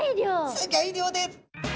すギョい量です！